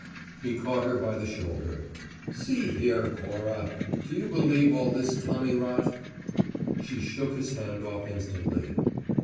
He caught her by the shoulder. "See here, Cora, do you believe all this tommy rot?" She shook his hand off instantly.